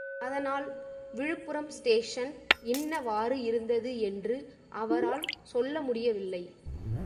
அதனால் விழுப்புரம் ஸ்டேஷன் இன்னவாறு இருந்தது என்று அவரால் சொல்ல முடியவில்லை.